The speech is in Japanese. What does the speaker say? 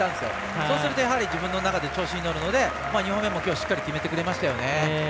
そうすると自分の中で調子に乗るので２本目もきょうしっかり決めてくれましたよね。